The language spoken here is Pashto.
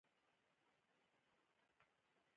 چې وروستۍ برخه یې په غم ور ولړي.